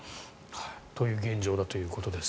という現状だということです。